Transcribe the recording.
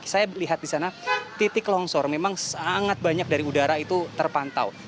saya lihat di sana titik longsor memang sangat banyak dari udara itu terpantau